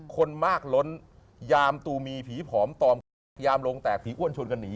คนมากล้นยามตูมีผีผอมตอมกันแตกพยายามลงแตกผีอ้วนชวนกันหนี